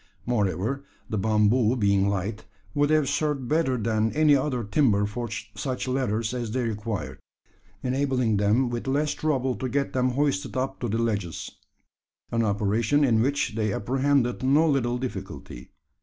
Moreover, the bamboo being light, would have served better than any other timber for such ladders as they required enabling them with less trouble to get them hoisted up to the ledges an operation in which they apprehended no little difficulty.